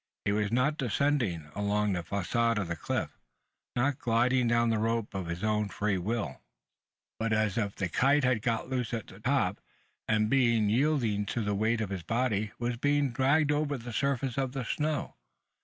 He was descending along the facade of the cliff not gliding down the rope of his own free will, but as if the kite had got loose at the top, and, yielding to the weight of his body, was being dragged over the surface of the snow!